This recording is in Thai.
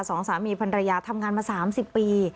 สองสามีพันรยาทำงานมาสามสิบปี